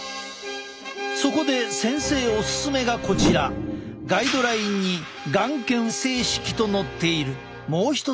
そこで先生オススメがこちらガイドラインに眼瞼清拭と載っているもう一つの方法。